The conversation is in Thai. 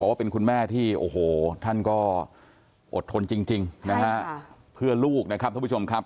ว่าเป็นคุณแม่ที่โอ้โหท่านก็อดทนจริงนะฮะเพื่อลูกนะครับท่านผู้ชมครับ